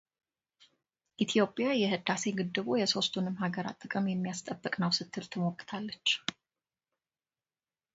ኢትዮጵያ የሕዳሴ ግድቡ የሦስቱንም አገራት ጥቅም የሚያስጠብቅ ነው ስትል ትሞግታለች